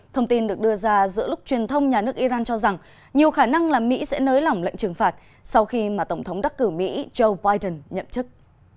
thông tin được đưa ra giữa lúc truyền thông nhà nước iran cho rằng nhiều khả năng là mỹ sẽ nới lỏng lệnh trừng phạt sau khi mà tổng thống đắc cử mỹ joe biden nhậm chức